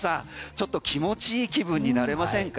ちょっと気持ちいい気分になれませんか？